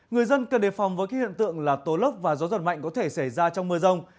người dân cần đề phòng với các hiện tượng là tố lốc và gió giật mạnh có thể xảy ra trong mưa rông